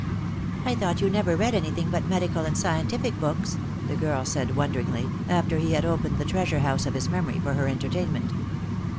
" I thought you never read anything but medical and sci entific books ?" the girl said wonderingly, after he had opened the treasure house of his memory for her entertainment.